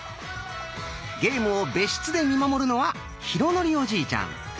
ゲームを別室で見守るのは浩徳おじいちゃん。